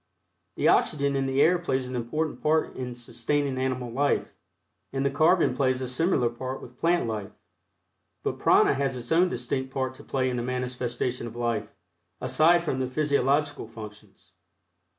The oxygen in the air plays an important part in sustaining animal life, and the carbon plays a similar part with plant life, but Prana has its own distinct part to play in the manifestation of life, aside from the physiological functions.